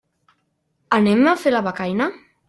Anem a fer la becaina?